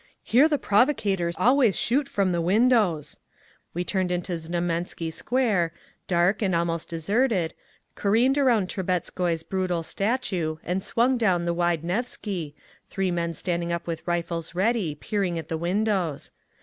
Here the provocators always shoot from the windows!" We turned into Znamensky Square, dark and almost deserted, careened around Trubetskoy's brutal statue and swung down the wide Nevsky, three men standing up with rifles ready, peering at the windows.